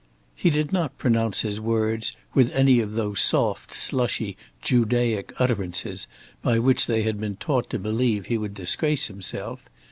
He did not pronounce his words with any of those soft slushy Judaic utterances by which they had been taught to believe he would disgrace himself.